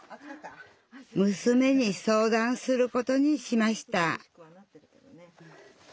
むすめに相談することにしました